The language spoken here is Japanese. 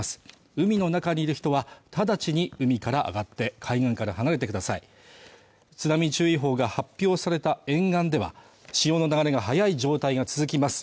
海の中にいる人は直ちに海から上がって海岸から離れてください津波注意報が発表された沿岸では潮の流れが速い状態が続きます